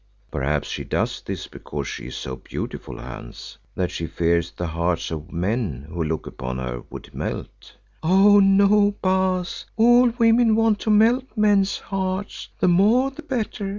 "Perhaps she does this because she is so beautiful, Hans, that she fears the hearts of men who look upon her would melt." "Oh, no, Baas, all women want to melt men's hearts; the more the better.